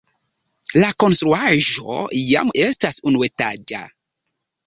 La konstruaĵo jam estas unuetaĝa.